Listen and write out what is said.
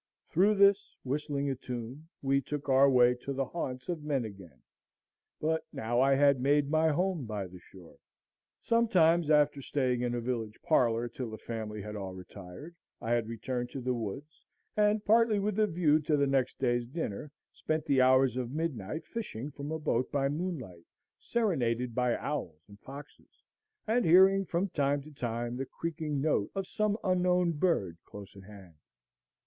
Through this, whistling a tune, we took our way to the haunts of men again. But now I had made my home by the shore. Sometimes, after staying in a village parlor till the family had all retired, I have returned to the woods, and, partly with a view to the next day's dinner, spent the hours of midnight fishing from a boat by moonlight, serenaded by owls and foxes, and hearing, from time to time, the creaking note of some unknown bird close at hand.